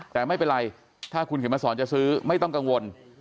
แต่ไม่เป็นไรถ้าคุณเข็มมาสอนจะซื้อไม่ต้องกังวล